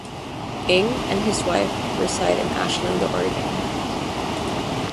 Ing and his wife reside in Ashland, Oregon.